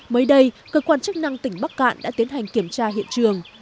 mới đây cơ quan chức năng tỉnh bắc cạn đã tiến hành kiểm tra hiện trường